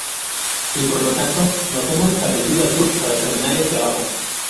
Y por lo tanto, nos hemos establecido al sur para terminar el trabajo.